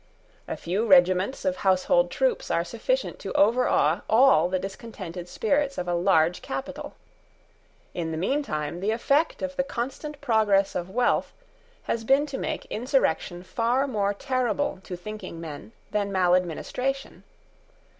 A few regiments of household troops are sufficient to overawe all the discontented spirits of a large capital. In the meantime the effect of the constant progress of wealth has been to make insurrection far more terrible to thinking men than maladministration.